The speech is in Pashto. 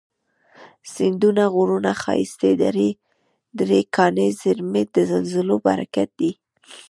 سیندونه، غرونه، ښایستې درې، کاني زیرمي، د زلزلو برکت دی